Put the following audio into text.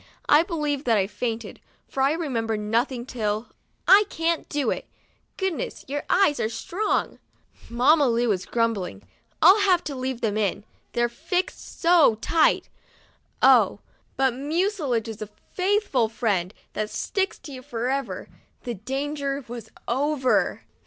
I believe that I fainted, for I remember nothing till, "I can't do it. Goodness, your THURSDAY— SPANKED eyes are strong.'* Mamma Lu was grumbling, " I'll have to leave them in, they're fixed so tight." Oh! but mucilage is a faithful friend, that sticks to you forever! The danger was over.